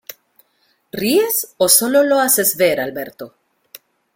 ¿Ríes o sólo lo haces ver, Alberto?